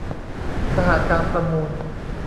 สหการประมูล